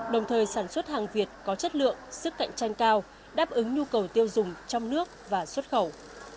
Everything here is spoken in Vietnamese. đồng thời sản xuất hàng việt có chất lượng sức cạnh tranh cao đáp ứng nhu cầu tiêu dùng trong nước và xuất khẩu